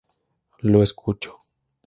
Lo escuchó.